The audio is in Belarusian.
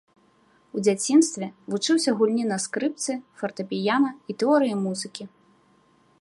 У дзяцінстве вучыўся гульні на скрыпцы, фартэпіяна і тэорыі музыкі.